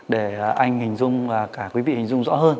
để anh hình dung và cả quý vị hình dung rõ hơn